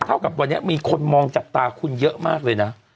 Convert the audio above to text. เท่ากับวันนี้มีคนมองจับตาคุณเยอะมากเลยนะ